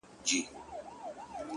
• ښکاري ولیده په تور کي زرکه بنده ,